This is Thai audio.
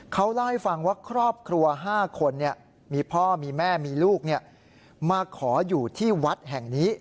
เขาเล่าให้ฟังว่าครอบครัว๕คนมีพ่อมีแม่มีลูกมาขออยู่ที่วัดแห่งนี้